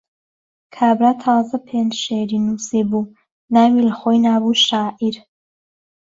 کابرا تازە پێنج شیعری نووسی بوو، ناوی لەخۆی نابوو شاعیر.